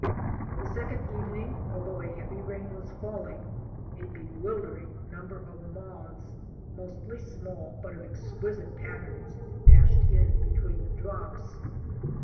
The second evening, although a heavy rain was falling, a bewildering number of moths, mostly small but of exquisite patterns, dashed in between the drops.